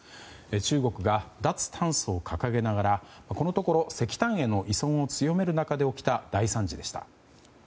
中国が脱炭素を掲げながらこのところ石炭への依存を強める中で起きた大惨事でした。